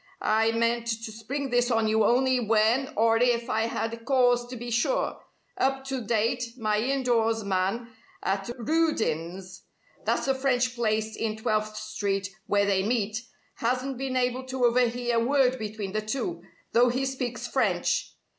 I meant to spring this on you only when or if I had cause to be sure. Up to date, my indoors man at Rudin's that's the French place in Twelfth Street where they meet hasn't been able to overhear a word between the two, though he speaks French.